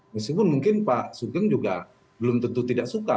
meskipun mungkin pak sugeng juga belum tentu tidak suka